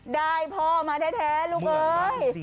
ได้พ่อมาแท้ลูกเอ้ย